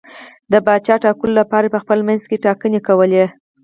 د پاچا ټاکلو لپاره یې په خپل منځ کې ټاکنې کولې.